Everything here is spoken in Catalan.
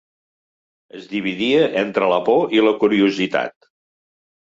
Es dividia entre la por i la curiositat.